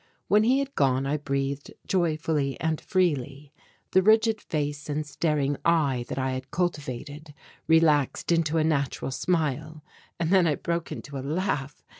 When he had gone I breathed joyfully and freely. The rigid face and staring eye that I had cultivated relaxed into a natural smile and then I broke into a laugh.